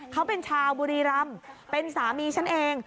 เขาเป็นชาวบุรีรำเป็นสามีฉันเอง